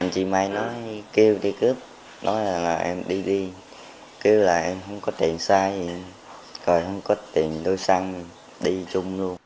chí mây nói kêu đi cướp nói là em đi đi kêu là em không có tiền xa gì rồi không có tiền đôi xăng đi chung luôn